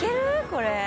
これ。